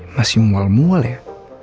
masih mual mual ya